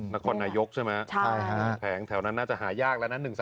นครนายกใช่ไหมแถวนั้นน่าจะหายากแล้วนะ๑๓๑เนี่ย